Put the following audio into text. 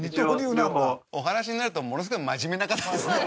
お話しになるとものすごい真面目な方ですね。